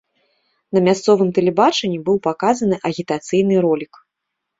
На мясцовым тэлебачанні быў паказаны агітацыйны ролік.